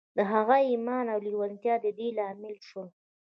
د هغه ايمان او لېوالتیا د دې لامل شول.